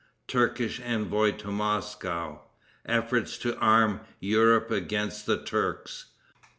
Turkish Envoy To Moscow. Efforts To Arm Europe Against the Turks.